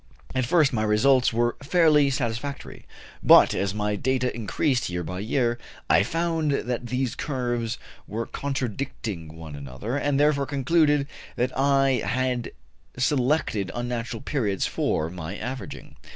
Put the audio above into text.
At first my results were fairly satisfactory; but, as my data increased year by year, I found that these curves were contradicting one another, and therefore concluded that I had selected unnatural periods for my averaging.